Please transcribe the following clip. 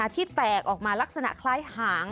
ที่แตกออกมาลักษณะคล้ายหาง